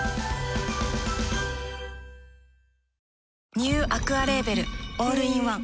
ニューアクアレーベルオールインワン